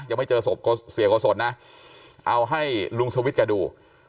ยังไม่เจอศพเสียโกศลนะเอาให้ลุงสวิทย์แกดู